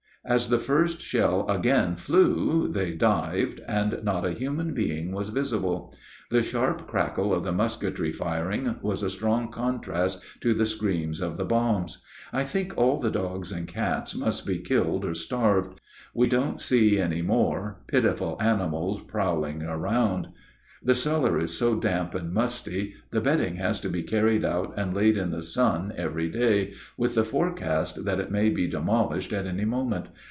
As the first shell again flew they dived, and not a human being was visible. The sharp crackle of the musketry firing was a strong contrast to the scream of the bombs. I think all the dogs and cats must be killed or starved: we don't see any more pitiful animals prowling around.... The cellar is so damp and musty the bedding has to be carried out and laid in the sun every day, with the forecast that it may be demolished at any moment.